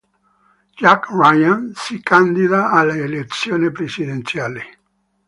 Jack Ryan si candida alle elezioni presidenziali.